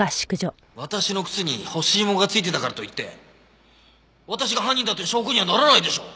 私の靴に干し芋が付いてたからといって私が犯人だという証拠にはならないでしょ？